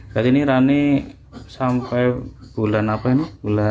jadi ini rani sampai bulan apa ini